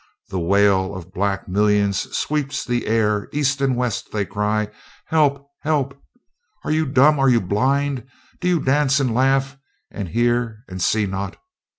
The wail of black millions sweeps the air east and west they cry, Help! Help! Are you dumb? Are you blind? Do you dance and laugh, and hear and see not?